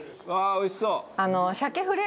おいしそう。